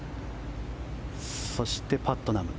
そして、パットナム。